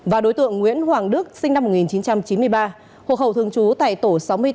và đối tượng nguyễn hoàng đức sinh năm một nghìn chín trăm chín mươi ba hộ khẩu thường trú tại tổ sáu mươi bốn